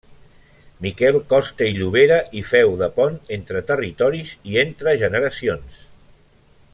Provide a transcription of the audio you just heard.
Miquel Costa i Llobera hi féu de pont entre territoris i entre generacions.